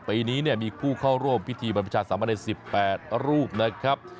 ปีนี้มีผู้เข้าร่วมพิธีบรรพชาติสามเมินภาคฤดูร้อน๑๘รูปนะครับ